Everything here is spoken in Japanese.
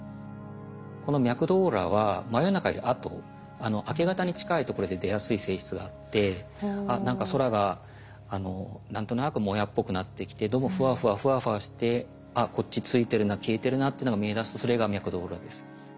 この脈動オーロラは真夜中よりあと明け方に近いところで出やすい性質があって「あっ何か空が何となくもやっぽくなってきてどうもふわふわふわふわしてあっこっちついてるな消えてるな」っていうのが見えだすとそれが脈動オーロラです。